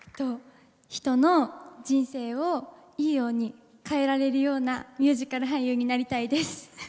人の人生をいいように変えられるようなミュージカル俳優になりたいです。